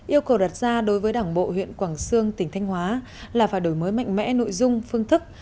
yêu cầu đặt ra đối với đảng bộ huyện quảng sương tỉnh thanh hóa là phải đổi mới mạnh mẽ nội dung phương thức